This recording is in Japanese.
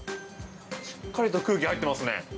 しっかりと空気入っていますね！